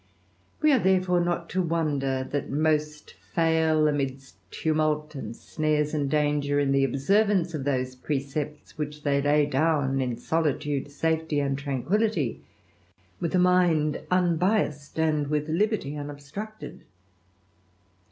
We are, therefore, not to wonder that most fail, ami tumult, and snares, and danger, in the observance of thi precepts, which they lay down in solitude, safety, a tranquillity, with a mind unbiassed, and with libe unobstructed.